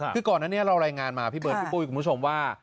คือก่อนอันนี้เรารายงานมาพี่เบิร์ดพี่ปุ้ยคุณผู้ชมว่า